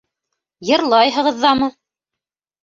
Йырлайһығыҙ ҙамы?